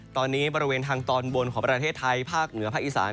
ตอนนี้บริเวณทางตอนบนของประเทศไทยภาคเหนือภาคอีสาน